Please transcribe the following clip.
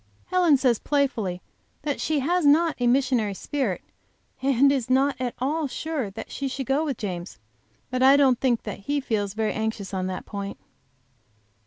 Helen says, playfully, that she has not a missionary spirit, and is not at all sure that she shall go with James. But I don't think that he feels very anxious on that point!